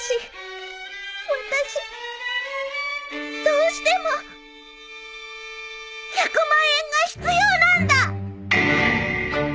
どうしても１００万円が必要なんだ。